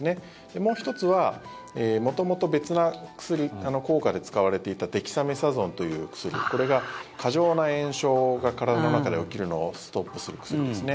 もう１つは、元々別な薬効果で使われていたデキサメタゾンという薬、これが過剰な炎症が体の中で起きるのをストップする薬ですね。